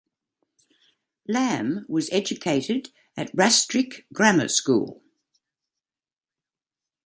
Lamb was educated at Rastrick Grammar School.